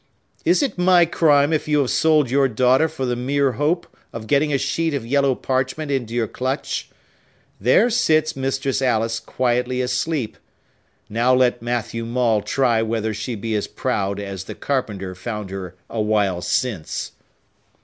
Is it my crime if you have sold your daughter for the mere hope of getting a sheet of yellow parchment into your clutch? There sits Mistress Alice quietly asleep. Now let Matthew Maule try whether she be as proud as the carpenter found her awhile since."